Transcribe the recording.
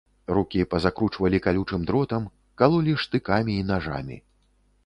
Рукі пазакручвалі калючым дротам, калолі штыкамі і нажамі.